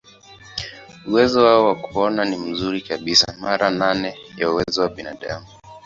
Uwezo wao wa kuona ni mzuri kabisa, mara nane ya uwezo wa binadamu.